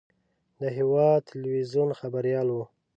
د هېواد تلویزیون خبریال و.